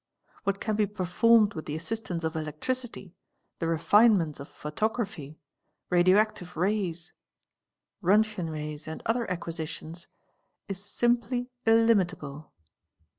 What can be performed with the assistance of electricity, the refinements of photography, radio active rays. Roéntgen Rays and other acquisitions, 1s simply illimitable.